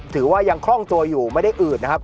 ถือว่ายังคล่องตัวอยู่ไม่ได้อืดนะครับ